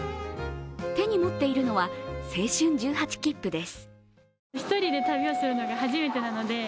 手に持っているのは青春１８きっぷです。